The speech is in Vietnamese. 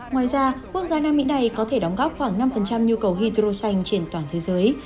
ngoài ra quốc gia nam mỹ này có thể đóng góp khoảng năm nhu cầu hydro xanh trên toàn thế giới